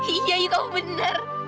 iya yu kamu benar